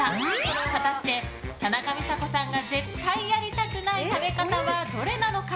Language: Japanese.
果たして、田中美佐子さんが絶対やりたくない食べ方はどれなのか。